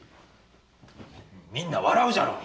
みんな笑うじゃろう！